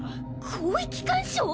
広域干渉？